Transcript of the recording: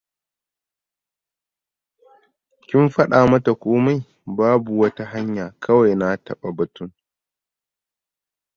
"Kin faɗa mata komai? ""Babu wata hanya, kawai na taɓa batun."""